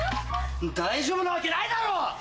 「大丈夫なわけないだろ！」